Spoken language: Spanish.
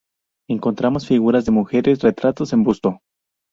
Encontramos figuras de mujeres, retratos en busto.